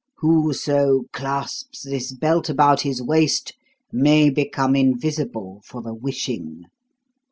Whoso clasps this belt about his waist may become invisible for the wishing.